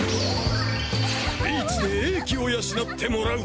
ビーチで鋭気を養ってもらう！